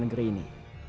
aku penguasa ini